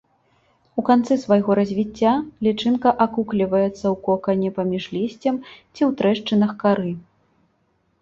У канцы свайго развіцця лічынка акукліваецца ў кокане паміж лісцем ці ў трэшчынах кары.